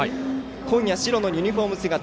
紺や白のユニフォーム姿。